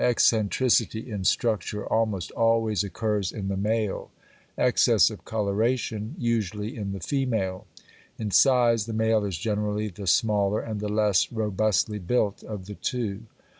Eccentricity in structure almost always occurs in the male; excess of coloration usually in the female. In size the male is generally the smaller and the less robustly built of the two.